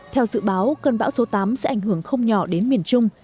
theo dự báo cơn bão số tám sẽ ảnh hưởng không nhỏ đến miền trung